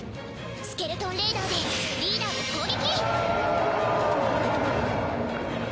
スケルトンレイダーでリーダーを攻撃！